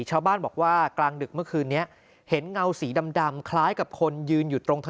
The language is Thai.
ชาวบ้านบอกว่ากลางดึกเมื่อคืนนี้เห็นเงาสีดำคล้ายกับคนยืนอยู่ตรงถนน